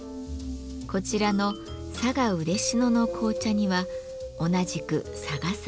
こちらの佐賀・嬉野の紅茶には同じく佐賀産のようかん。